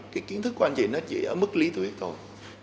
cái kiến thức của anh chị nó chỉ ở mức lý thuyết thôi